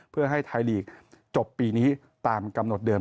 เพื่อให้ไทยลีกจบปีนี้ตามกำหนดเดิม